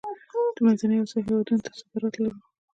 د منځنۍ اسیا هیوادونو ته صادرات لرو؟